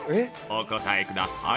お答えください。